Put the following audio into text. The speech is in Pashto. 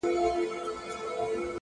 هغه دي مړه سي زموږ نه دي په كار؛